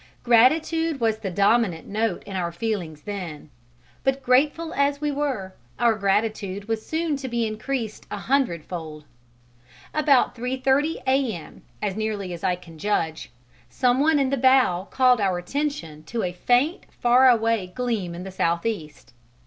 Gratitude was the dominant note in our feelings then. But grateful as we were, our gratitude was soon to be increased a hundred fold. About 3:30 A.M., as nearly as I can judge, some one in the bow called our attention to a faint far away gleam in the southeast.